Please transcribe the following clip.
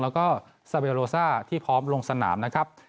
แล้วก็ซาเวลโลซ่าที่พร้อมลงสนามนะครับ